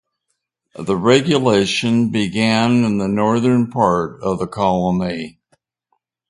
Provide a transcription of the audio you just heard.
The regulation began in the northern part of the colony.